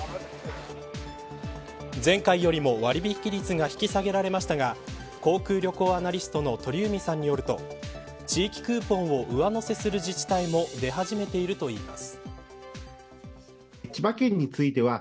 前回よりも割引率が引き下げられましたが航空・旅行アナリストの鳥海さんによると地域クーポンを上乗せする自治体も出始めているといいます。